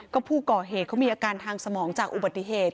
ก็ผู้ก่อเหตุเขามีอาการทางสมองจากอุบัติเหตุ